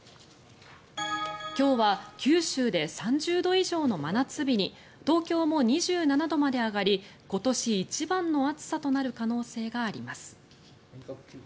今日は九州で３０度以上の真夏日に東京も２７度まで上がり今年一番の暑さとなる可能性があります。